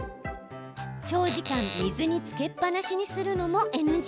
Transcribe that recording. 長時間、水につけっぱなしにするのもＮＧ。